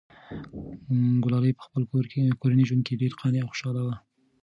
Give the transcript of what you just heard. ګلالۍ په خپل کورني ژوند کې ډېره قانع او خوشحاله وه.